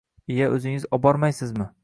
- Iye, o‘ziz obormaysizmi?